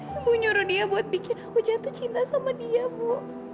bumbu nyuruh dia buat bikin aku jatuh cinta sama dia bu